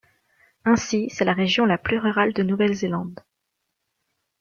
Ainsi, c'est la région la plus rurale de Nouvelle-Zélande.